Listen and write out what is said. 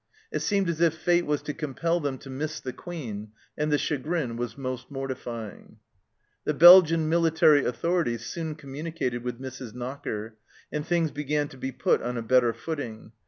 It seemed as if Fate was to compel them to miss the Queen, and the chagrin was most mortifying. The Belgian military authorities soon communi cated with Mrs. Knocker, and things began to be put on a better footing.